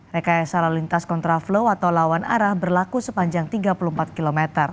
rekayasa lalu lintas kontraflow atau lawan arah berlaku sepanjang tiga puluh empat km